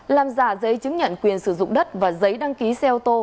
làm giả giấy chứng nhận quyền sử dụng đất và giấy đăng ký xe ô tô